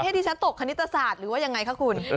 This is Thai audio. ที่ฉันตกคณิตศาสตร์หรือว่ายังไงคะคุณ